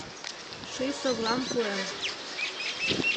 Ший совлам пуэм!